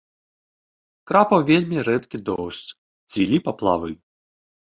Крапаў вельмі рэдкі дождж, цвілі паплавы.